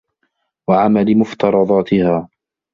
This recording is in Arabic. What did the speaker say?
وَعَمَلِ مُفْتَرَضَاتِهَا